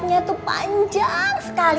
nya tuh panjang sekali